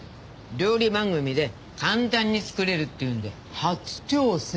料理番組で簡単に作れるっていうんで初挑戦。